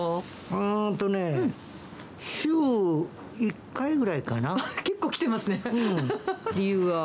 うーんとね、週１回ぐらいか結構来てますね。